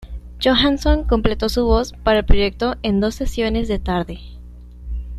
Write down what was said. Johansson completó su voz para el proyecto en dos sesiones de tarde.